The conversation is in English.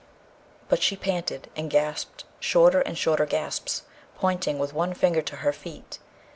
But she panted, and gasped short and shorter gasps, pointing with one finger to her feet.